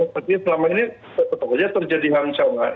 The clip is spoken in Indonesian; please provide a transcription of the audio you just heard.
jadi selama ini sebetulnya terjadi hancongan